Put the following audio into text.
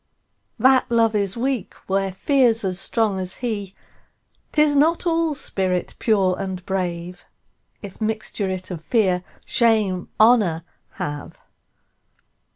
That Love is weak where Fear's as strong as he;'Tis not all spirit pure and brave, If mixture it of Fear, Shame, Honour have.